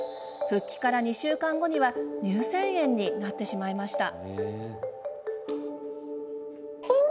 復帰から２週間後には乳腺炎になってしまいました。